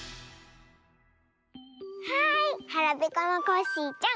はいはらぺこのコッシーちゃん